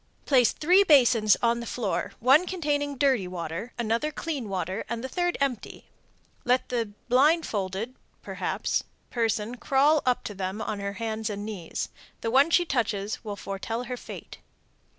Place three basins on the floor, one containing dirty water, another clear water, and the third empty. Let the (blindfolded?) person crawl up to them on her hands and knees. The one she touches will foretell her fate.